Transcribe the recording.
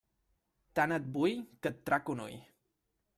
Tant et vull que et trac un ull.